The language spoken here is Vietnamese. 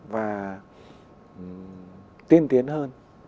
và tiên tiến hơn